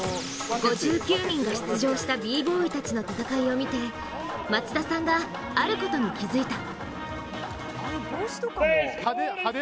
５９人が出場したＢ−Ｂｏｙたちの戦いを見て松田さんが、あることに気付いた。